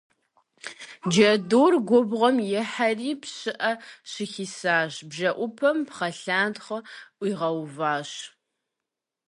Джэдур губгъуэм ихьэри, пщыӏэ щыхисащ, бжэӏупэм пхъэлъантхъуэ ӏуигъэуващ.